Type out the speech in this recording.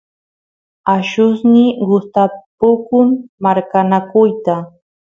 allusniy gustapukun marqanakuyta